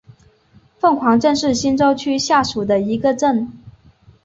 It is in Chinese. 凤凰镇是新洲区下属的一个镇。